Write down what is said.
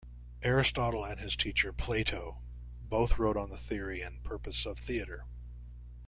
Aristotle and his teacher Plato both wrote on the theory and purpose of theatre.